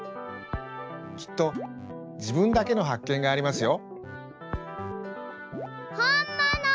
きっとじぶんだけのはっけんがありますよ。